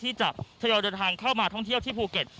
ที่จะทยอยเดินทางเข้ามาท่องเที่ยวที่ภูเก็ต